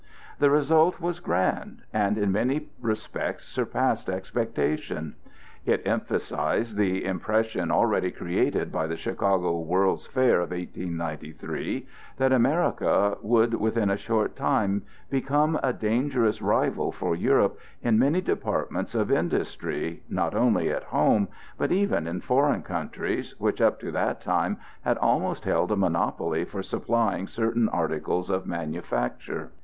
The result was grand, and in many respects surpassed expectation. It emphasized the impression already created by the Chicago World's Fair of 1893, that America would within a short time become a dangerous rival for Europe in many departments of industry, not only at home, but even in foreign countries which up to that time had almost held a monopoly for supplying certain articles of manufacture.